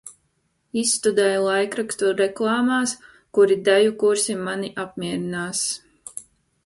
Izstudēju laikrakstu reklāmās kuri deju kursi mani apmierinās.